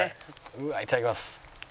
うわっいただきます。